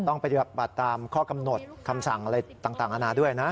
ต้องปฏิบัติตามข้อกำหนดคำสั่งอะไรต่างอาณาด้วยนะ